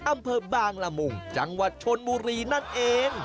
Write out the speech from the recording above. อำเภอบางละมุงจังหวัดชนบุรีนั่นเอง